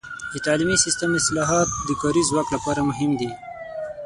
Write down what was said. د تعلیمي سیستم اصلاحات د کاري ځواک لپاره مهم دي.